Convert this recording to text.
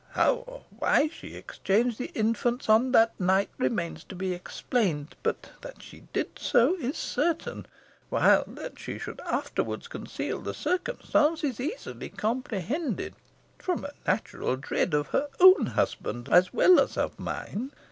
How or why she exchanged the infants on that night remains to be explained, but that she did so is certain; while that she should afterwards conceal the circumstance is easily comprehended, from a natural dread of her own husband as well as of mine.